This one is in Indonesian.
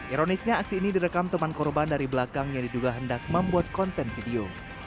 ironisnya aksi ini direkam teman korban dari belakang yang diduga hendak membuat konten video